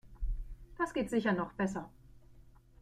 Das geht sicher noch besser.